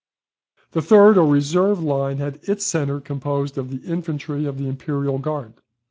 The third, or reserve line, had its centre composed of the infantry of the Imperial Guard.